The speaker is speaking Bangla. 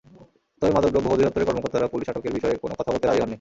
তবে মাদকদ্রব্য অধিদপ্তরের কর্মকর্তারা পুলিশ আটকের বিষয়ে কোনো কথা বলতে রাজি হননি।